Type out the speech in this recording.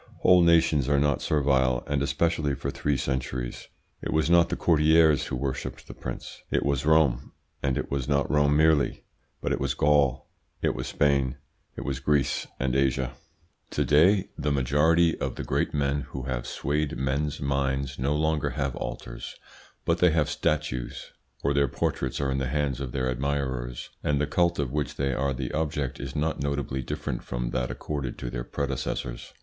Whole nations are not servile, and especially for three centuries. It was not the courtiers who worshipped the prince, it was Rome, and it was not Rome merely, but it was Gaul, it was Spain, it was Greece and Asia." To day the majority of the great men who have swayed men's minds no longer have altars, but they have statues, or their portraits are in the hands of their admirers, and the cult of which they are the object is not notably different from that accorded to their predecessors.